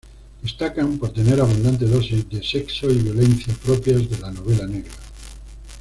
Destacan por tener abundantes dosis de sexo y violencia propias de la novela negra.